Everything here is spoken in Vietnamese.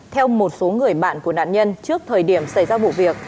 theo một số người bạn của nạn nhân trước thời điểm xảy ra vụ việc